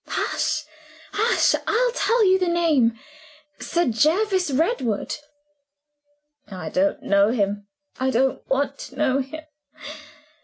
"Hush! hush! I'll tell you the name. Sir Jervis Redwood." "I don't know him. I don't want to know him.